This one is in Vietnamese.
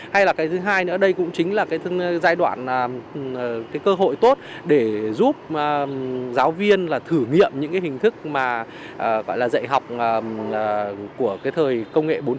hay là cái thứ hai nữa đây cũng chính là cái giai đoạn cái cơ hội tốt để giúp giáo viên thử nghiệm những hình thức dạy học của cái thời công nghệ bốn